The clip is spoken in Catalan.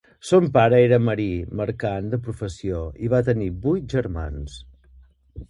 Son pare era marí mercant de professió i va tenir vuit germans.